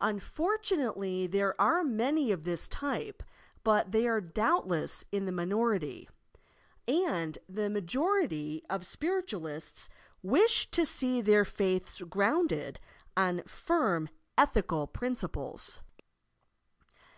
Unfortunately there are many of this type, but they arc doubtless in the minority, and the majority of Spirit THE ETHICS OF SPIRITUALISM 293 iialists wish to see their faith grounded oq firm ethical principles.